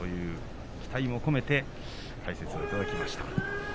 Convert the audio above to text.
期待も込めて解説をいただきました。